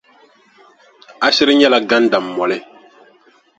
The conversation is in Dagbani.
A shiri nyɛla gandammoli.